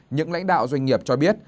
những lãnh đạo doanh nghiệp cho biết